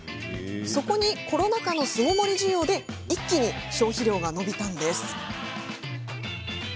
そこに、コロナ禍の巣ごもり需要で一気に消費量が伸びたんです。